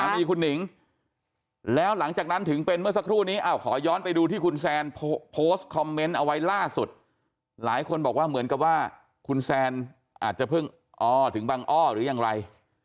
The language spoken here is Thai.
มีคุณหนิงแล้วหลังจากนั้นถึงเป็นเมื่อสักครู่นี้ขอย้อนไปดูที่คุณแซนโพสต์คอมเมนต์เอาไว้ล่าสุดหลายคนบอกว่าเหมือนกับว่าคุณแซนอาจจะเพิ่งอ้อถึงบังอ้อหรือยังไร